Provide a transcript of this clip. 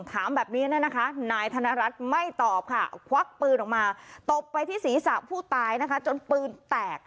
ถามแบบเนี้ยน่ะนะคะนายธนรัฐไม่ตอบค่ะ